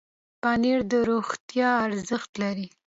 پنېر د روغتیا ارزښت لري.